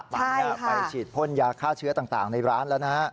ตอนนี้ไปฉีดพ่นยาฆ่าเชื้อต่างในร้านแล้วนะฮะ